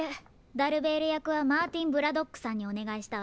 ダルベールやくはマーティン・ブラドックさんにおねがいしたわ。